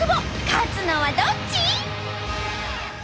勝つのはどっち！？